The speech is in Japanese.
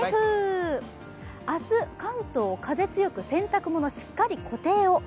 明日、関東風強く洗濯物しっかり固定を。